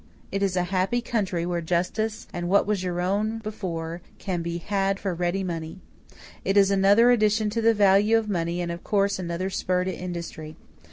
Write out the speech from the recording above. It is a happy country where justice and what was your own before can be had for ready money. It is another addition to the value of money and of course another spur to industry.